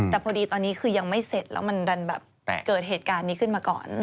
แต่พอดีตอนนี้คือยังไม่เสร็จแล้วมันดันแบบเกิดเหตุการณ์นี้ขึ้นมาก่อน